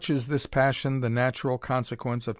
is this passion the natural consequence of